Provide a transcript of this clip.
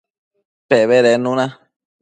Pebedednu na